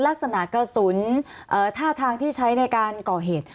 ลักษณะกระสุนท่าทางที่ใช้ในการก่อเหตุ